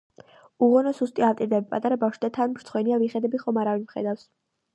უღონო სუსტი ავტირდები პატარა ბავშვი და თან მრცხვენია ვიხედები ხომ არვინ მხედავს